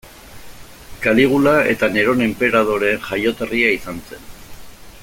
Kaligula eta Neron enperadoreen jaioterria izan zen.